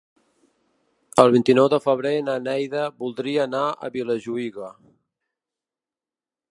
El vint-i-nou de febrer na Neida voldria anar a Vilajuïga.